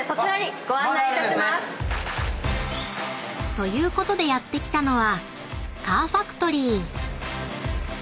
［ということでやって来たのは］